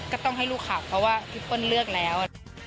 ก็ต้องให้ลูกขับเพราะว่าพี่เปิ้ลเลือกแล้ว